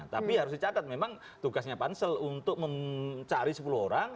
tapi harus dicatat memang tugasnya pansel untuk mencari sepuluh orang